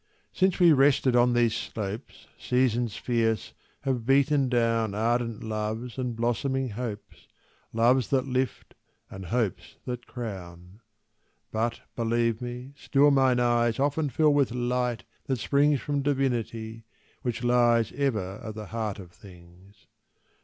Since we rested on these slopes Seasons fierce have beaten down Ardent loves and blossoming hopes Loves that lift and hopes that crown. But, believe me, still mine eyes Often fill with light that springs From divinity, which lies Ever at the heart of things.